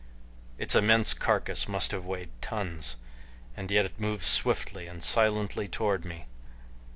Its immense carcass must have weighed tons, and yet it moved swiftly and silently toward me.